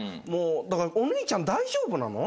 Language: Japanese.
だからお兄ちゃん大丈夫なの？